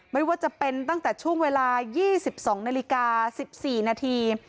ไม่ว่าจะเป็นตั้งแต่ช่วงเวลา๒๒นาฬิกา๑๔นาที